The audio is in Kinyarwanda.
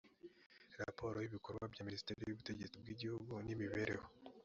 raporo y ibikorwa bya minisiteri y ubutegetsi bw igihugu n imibeardho